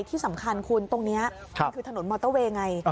ที่สำคัญคุณตรงนี้มันคือถนนมอเตอร์เวย์ไง